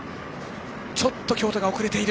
ちょっと京都が遅れている。